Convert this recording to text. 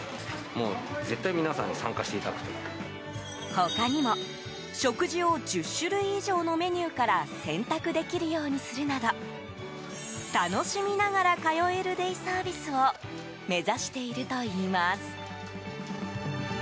他にも、食事を１０種類以上のメニューから選択できるようにするなど楽しみながら通えるデイサービスを目指しているといいます。